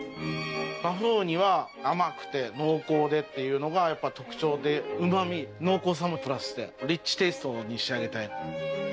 バフンウニは甘くて濃厚でっていうのがやっぱ特徴でうまみ濃厚さもプラスしてリッチテイストに仕上げたい。